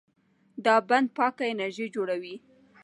دا بند پاکه انرژي جوړوي.